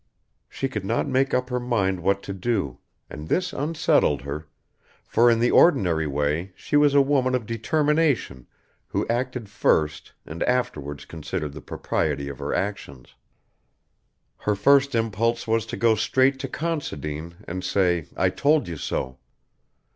She could not make up her mind what to do, and this unsettled her, for in the ordinary way she was a woman of determination who acted first and afterwards considered the propriety of her actions. Her first impulse was to go straight to Considine and say, "I told you so."